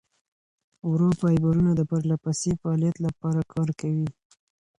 ورو فایبرونه د پرلهپسې فعالیت لپاره کار کوي.